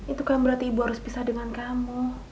itu kan berarti ibu harus pisah dengan kamu